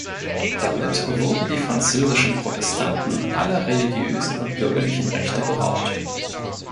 Damit wurden die französischen Protestanten aller religiösen und bürgerlichen Rechte beraubt.